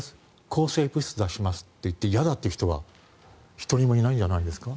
抗生物質を出しますと言って嫌だと言う人は１人もいないんじゃないですか？